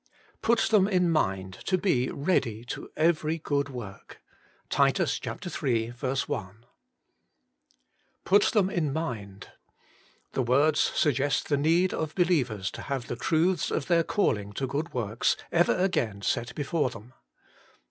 * Put them in mind to be ready to every good work.' — Tit. iii. i. ^ pUT them in mind.' The words sug A gest the need of believers to have the truths of their calHng to good works ever again set before them.